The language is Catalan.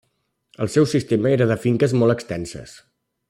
El seu sistema era de finques molt extenses.